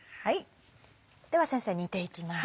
では先生煮ていきます。